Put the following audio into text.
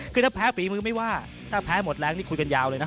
คือถ้าแพ้ฝีมือไม่ว่าถ้าแพ้หมดแรงนี่คุยกันยาวเลยนะ